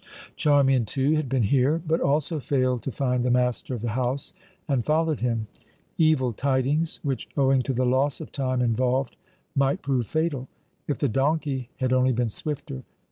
Charmian, too, had been here, but also failed to find the master of the house, and followed him. Evil tidings which, owing to the loss of time involved, might prove fatal. If the donkey had only been swifter!